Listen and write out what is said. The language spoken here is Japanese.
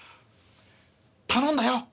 「頼んだよ」。